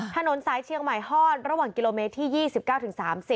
ถนนสายเชียงใหม่ฮอดระหว่างกิโลเมตรที่๒๙ถึง๓๐